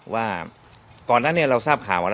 ว่าก่อนนั้นเนี่ยเราทราบข่าว